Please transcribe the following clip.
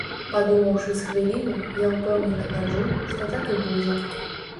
Падумаўшы з хвіліну, я ўпэўнена кажу, што так і будзе.